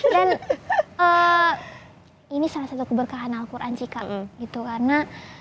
dan ini salah satu keberkahan al quran sih kak gitu karena